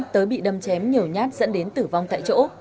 tới bị đâm chém nhiều nhát dẫn đến tử vong tại chỗ